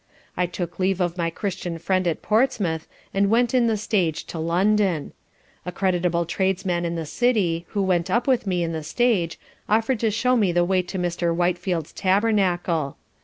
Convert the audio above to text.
I took leave of my Christian friend at Portsmouth, and went in the stage to London. A creditable tradesman in the City, who went up with me in the stage, offer'd to show me the way to Mr. Whitefield's Tabernacle.